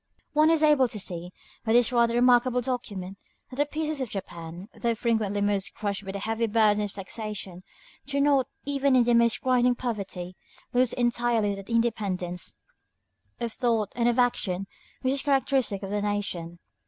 One is able to see, by this rather remarkable document, that the peasants of Japan, though frequently almost crushed by the heavy burdens of taxation, do not, even in the most grinding poverty, lose entirely that independence of thought and of action which is characteristic of their nation.